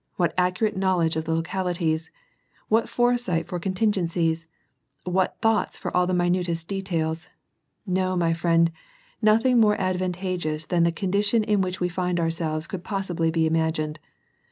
whii accurate knowledge of the localities ! what foresight for con tingencies ! what thoughts for all the minutest details ! No, my friend, nothing more advantageous than the condition in whiclj we find ourselves could possibly be imagined.